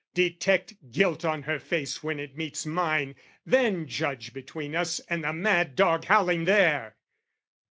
Detect "Guilt on her face when it meets mine, then judge "Between us and the mad dog howling there!"